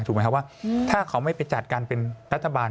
ถูกไหมครับว่าถ้าเขาไม่ไปจัดการเป็นรัฐบาล